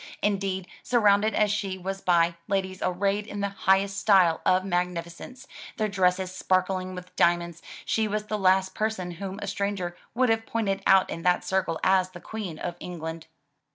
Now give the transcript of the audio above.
Indeed, surrounded as she was by ladies arrayed in the highest style of magnificence, their dresses sparkling with diamonds, she was the last person whom a stranger would have pointed out in that circle as the Queen of England.